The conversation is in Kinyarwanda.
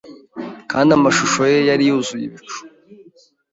kandi amashusho ye yari yuzuye ibicu